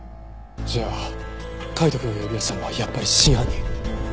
じゃあ海斗くんを呼び出したのはやっぱり真犯人！